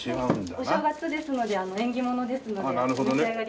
お正月ですので縁起物ですのでお召し上がりください。